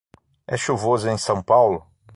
É chuvoso em São Paulo?